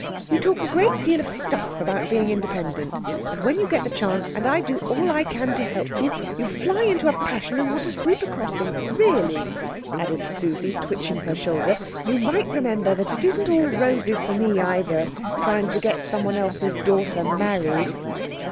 You talk a great deal of stuff about being independent, and when you get the chance, and I do all I can to help you, you fly into a passion and want to sweep a crossing. Really," added Susie, twitching her shoulder, "you might remember that it isn't all roses for me either, trying to get some one else's daughter married."